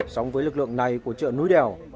so với lực lượng này của chợ núi đèo